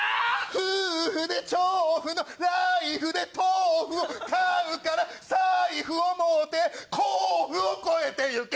夫婦で調布のライフで豆腐を長野から財布を持って甲府を越えてゆけ。